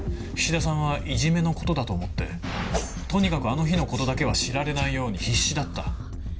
菱田さんはいじめのことだと思ってとにかくあの日のことだけは知られないように必死だった。